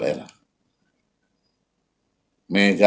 semoga tuhan berkati ku